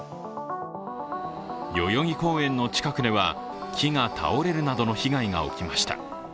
代々木公園の近くでは、木が倒れるなどの被害が起きました。